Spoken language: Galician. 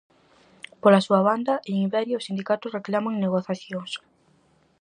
Pola súa banda, en Iberia os sindicatos reclaman negociacións.